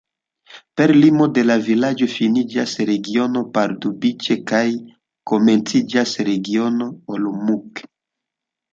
Per limoj de la vilaĝo finiĝas Regiono Pardubice kaj komenciĝas Regiono Olomouc.